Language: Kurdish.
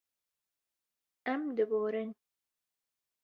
Em diborin.